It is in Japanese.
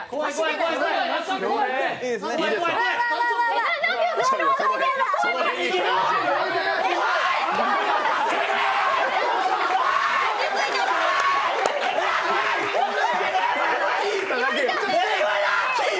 怖い！